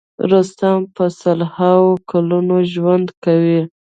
رستم په سل هاوو کلونه ژوند کوي.